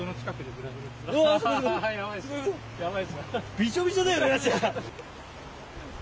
びしょびしょだよ。